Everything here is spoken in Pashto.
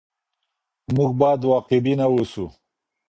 موږ بايد واقعبينه اوسو.